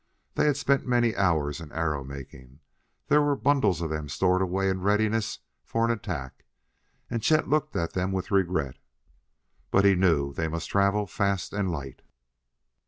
They had spent many hours in arrow making: there were bundles of them stored away in readiness for an attack, and Chet looked at them with regret, but knew they must travel fast and light.